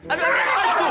aduh aduh aduh